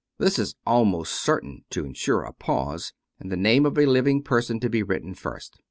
This is almost certain to insure a pause, and the name of a living person to be written first.